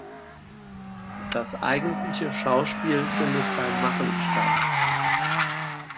Das eigentliche Schauspiel findet beim Machen statt.